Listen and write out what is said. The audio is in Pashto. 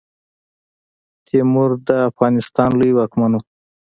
تیمور د افغانستان لوی واکمن وو.